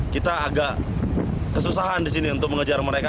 kita agak kesusahan di sini untuk mengejar mereka